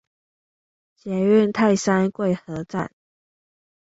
捷運泰山貴和站